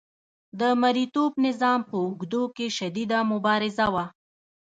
د مرئیتوب نظام په اوږدو کې شدیده مبارزه وه.